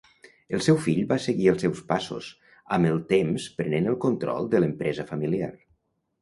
El seu fill va seguir els seus passos, amb el temps prenent el control de l'empresa familiar.